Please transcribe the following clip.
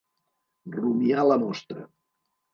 Rumiar la mostra.